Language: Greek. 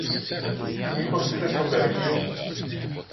Μήπως είδες τον Περικλή;